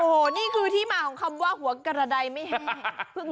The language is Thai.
โอ้โหนี่คือที่มาของคำว่าหัวกระดายไม่แห้ง